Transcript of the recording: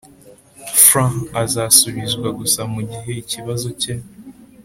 Frw azasubizwa gusa mu gihe ikibazo cye